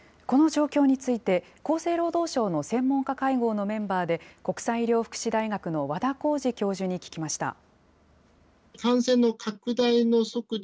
この状況について、厚生労働省の専門家会合のメンバーで、国際医療福祉大学の和田耕治教授に聞きました。